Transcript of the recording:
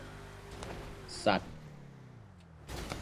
สัตว์